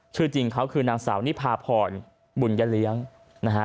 ชื่อจริงเขาคือนางสาวนี่พาผ่อนบุญเลี้ยงนะฮะ